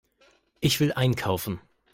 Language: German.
Ich will einkaufen.